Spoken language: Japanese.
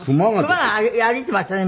熊が歩いてましたね